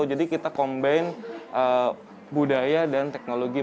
jadi kita kombinasi budaya dan teknologi